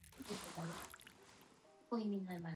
The entrance is facing east.